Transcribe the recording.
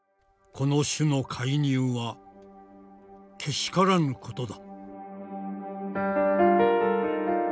「この種の介入は怪しからぬことだ」。